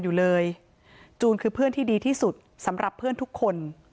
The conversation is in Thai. อยู่เลยจูนคือเพื่อนที่ดีที่สุดสำหรับเพื่อนทุกคน